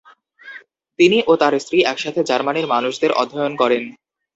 তিনি ও তার স্ত্রী একসাথে জার্মানির মানুষদের অধ্যয়ন করেন।